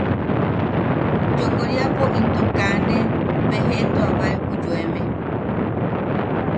Yokoriapo into kaa nee bejeʼetuabae ju yoeme.